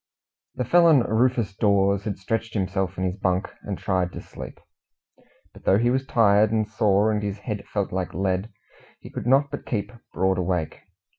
The felon Rufus Dawes had stretched himself in his bunk and tried to sleep. But though he was tired and sore, and his head felt like lead, he could not but keep broad awake.